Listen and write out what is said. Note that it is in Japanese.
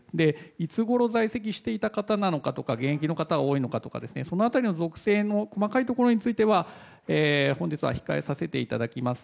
いつごろ在籍していた方なのか現役の方が多いのかとかその辺りの属性の細かいところについては本日は控えさせていただきます。